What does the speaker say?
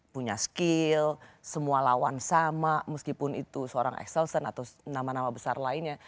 punya skill semua lawan sama meskipun itu seorang exelsen atau nama nama besar lainnya